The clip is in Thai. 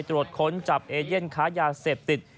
ตรวจค้นจับเอเย่นค้ายาเสพติด